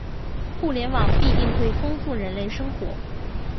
互联网必定会丰富人类生活